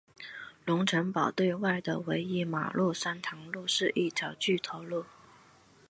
龙成堡对外的唯一马路山塘路是一条掘头路。